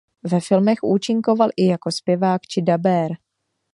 Ve filmech účinkoval i jako zpěvák či dabér.